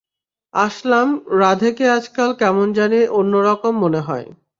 আসলাম, রাধে কে আজকাল কেমন জানি অন্য রকম মনে হয়।